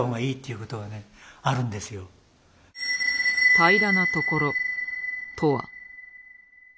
「平らなところ」とは？